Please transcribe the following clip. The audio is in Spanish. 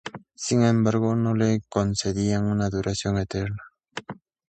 Sin embargo no le concedían una duración eterna.